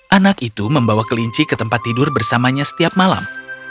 anak itu membawa kelinci ke tempat tidur bersamanya setiap malam